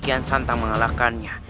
kian santang mengalahkannya